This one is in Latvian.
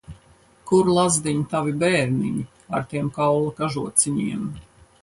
Kur, lazdiņ, tavi bērniņi, ar tiem kaula kažociņiem?